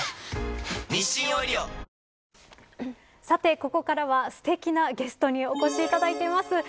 さて、ここからはすてきなゲストにお越しいただいています。